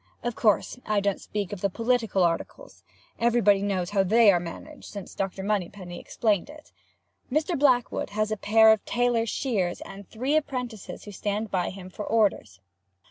Of course I don't speak of the political articles. Everybody knows how they are managed, since Dr. Moneypenny explained it. Mr. Blackwood has a pair of tailor's shears, and three apprentices who stand by him for orders.